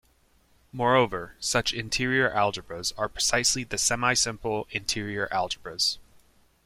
Moreover, such interior algebras are precisely the semisimple interior algebras.